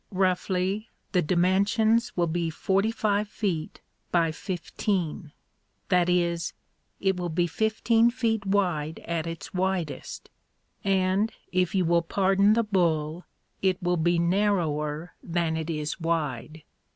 Roughly, the dimensions will be forty five feet by fifteen. That is, it will be fifteen feet wide at its widest and, if you will pardon the bull, it will be narrower than it is wide.